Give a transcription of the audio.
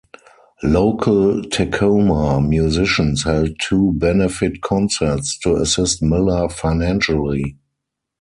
Local Tacoma musicians held two benefit concerts to assist Miller financially.